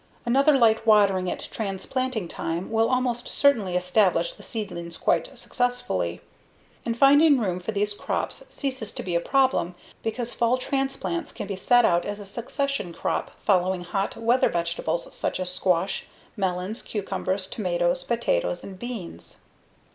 Another light watering at transplanting time will almost certainly establish the seedlings quite successfully. And, finding room for these crops ceases to be a problem because fall transplants can be set out as a succession crop following hot weather vegetables such as squash, melons, cucumbers, tomatoes, potatoes, and beans.